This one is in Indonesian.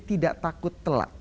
tidak takut telat